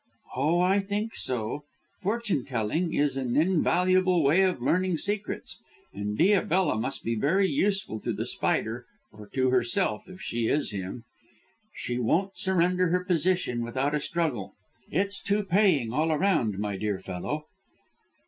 "Oh, I think so. Fortune telling is an invaluable way of learning secrets, and Diabella must be very useful to The Spider, or to herself, if she is him. She won't surrender her position without a struggle. It's too paying all round, my dear fellow."